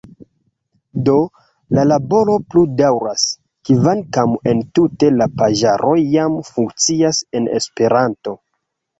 Do, la laboro plu daŭras, kvankam entute la paĝaro jam funkcias en Esperanto.